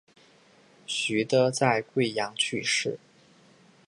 徐的在桂阳去世。